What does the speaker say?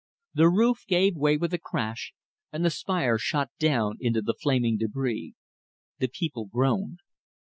The roof gave way with a crash, and the spire shot down into the flaming debris. The people groaned.